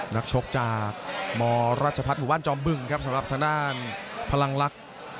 นักชกจากมรัชพัฒน์หมู่บ้านจอมบึงครับสำหรับทางด้านพลังลักษณ์